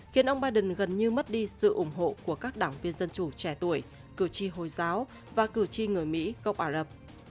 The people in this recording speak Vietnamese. khiến ông biden gần như mất đi sự ủng hộ của các đảng viên dân chủ trẻ tuổi cử tri hồi giáo và cử tri người mỹ gốc ả rập